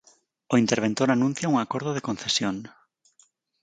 O interventor anuncia un acordo de concesión.